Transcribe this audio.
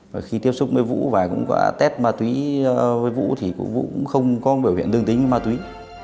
và khi tiếp xúc với vũ và cũng có test ma túy với vũ thì vũ cũng không có biểu hiện tương tính ma túy